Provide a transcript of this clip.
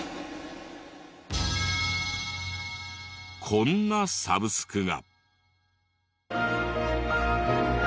こんなサブスクが。